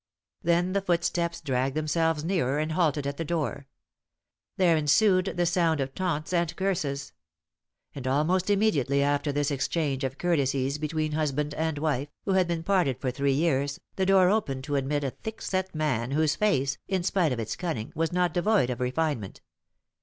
Then the footsteps dragged themselves nearer and halted at the door. There ensued the sound of taunts and curses. And almost immediately after this exchange of courtesies between husband and wife, who had been parted for three years, the door opened to admit a thick set man, whose face, in spite of its cunning, was not devoid of refinement.